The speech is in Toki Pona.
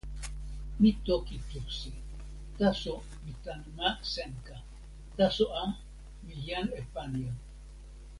mi toki Tosi. taso, mi tan ma Senka. taso a, mi jan Epanja.